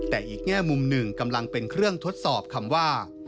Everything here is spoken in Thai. แต่อีกแง่มุมหนึ่งกำลังเป็นเครื่องทดสอบคำว่า